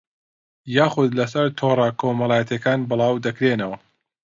یاخوود لەسەر تۆڕە کۆمەڵایەتییەکان بڵاودەکرێنەوە